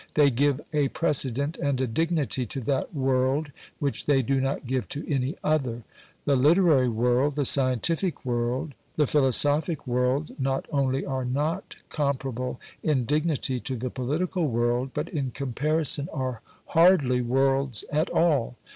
They give a precedent and a dignity to that world which they do not give to any other. The literary world, the scientific world, the philosophic world, not only are not comparable in dignity to the political world, but in comparison are hardly worlds at all.